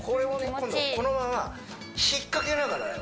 今度このまま引っかけながらよ